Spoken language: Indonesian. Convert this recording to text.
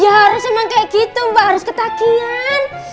ya harus emang kayak gitu mbak harus ketagihan